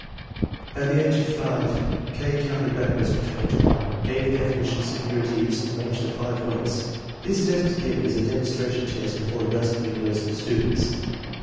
At the age of 5 K. counted backward from 20 to 1, gave definitions superior to use, and arranged the five weights. This test was given as a demonstration test before a dozen university students.